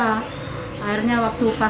nah akhirnya pas waktunya